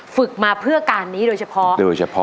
ฝึกมาเพื่อการนี้โดยเฉพาะ